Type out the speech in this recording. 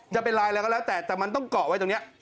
จะเป็นลายอะไรก็แล้วแต่แต่มันต้องเกาะไว้ตรงนี้